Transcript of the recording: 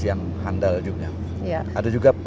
yang handal juga ada juga